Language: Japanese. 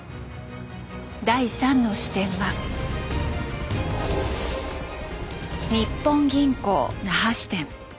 第３の視点は日本銀行那覇支店。